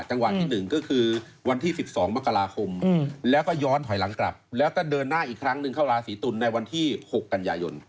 จังหวัดที่๑ก็คือวันที่๑๒มกราคมแล้วก็ย้อนถอยหลังกลับแล้วก็เดินหน้าอีกครั้งหนึ่งเข้าราศีตุลในวันที่๖กันยายน